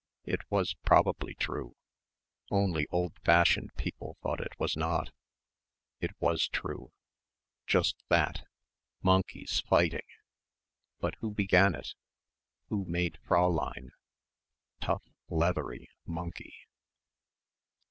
It was probably true ... only old fashioned people thought it was not. It was true. Just that monkeys fighting. But who began it? Who made Fräulein? Tough leathery monkey....